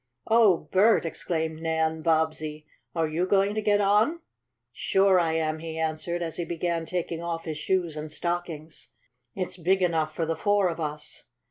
"Oh, Bert!" exclaimed Nan Bobbsey, "are you going to get on?" "Sure I am," he answered, as he began taking off his shoes and stockings. "It's big enough for the four of us.